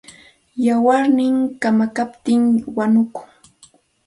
Wayarnin kamakaptin wanukun.